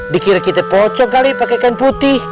dikira kita bocong kali pakai kain putih